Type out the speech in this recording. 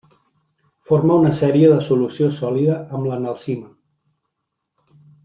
Forma una sèrie de solució sòlida amb l'analcima.